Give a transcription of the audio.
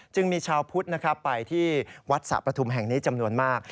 จึงมีชาวพุทธนะครับไปที่วัดสะปฐุมแห่งนี้จำนวนมาก